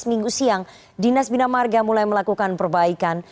minggu siang dinas bina marga mulai melakukan perbaikan